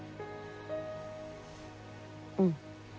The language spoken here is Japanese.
うん。